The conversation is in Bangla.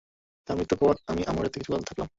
তার মৃত্যুর পর আমি আম্মুরিয়াতে কিছুকাল থাকলাম।